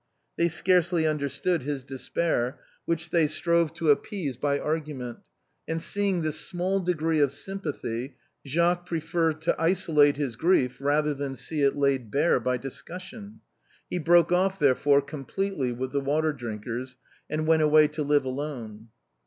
They scarcely understood his despair, which they strove to appease by argument, and seeing this small degree of sympathy, Jacques preferred to isolate his grief rather than see it laid bare by discussion. He broke off, therefore, completely with the Water drink ers and went away to live alone.